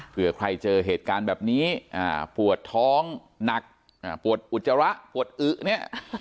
เผื่อใครเจอเหตุการณ์แบบนี้ปวดท้องหนักปวดอุจจาระปวดอึเนี่ย